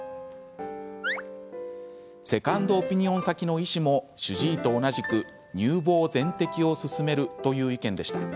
セカンドオピニオン先の医師も主治医と同じく乳房全摘を勧めるという意見でした。